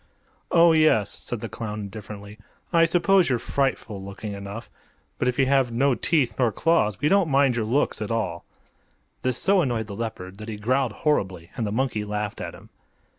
"Oh, yes;" said the clown, indifferently. "I suppose you're frightful looking enough. But if you have no teeth nor claws we don't mind your looks at all." This so annoyed the leopard that he growled horribly, and the monkey laughed at him.